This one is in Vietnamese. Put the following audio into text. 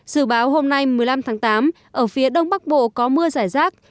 dự báo hôm nay một mươi năm tháng tám ở phía đông bắc bộ có mưa giải rác